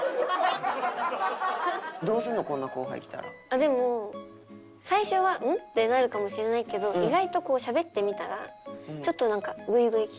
でも最初は「ん？」ってなるかもしれないけど意外としゃべってみたらちょっと。